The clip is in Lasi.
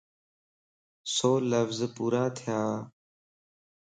سو لفظ پورا ٿيانَ